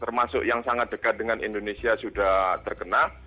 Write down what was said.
termasuk yang sangat dekat dengan indonesia sudah terkena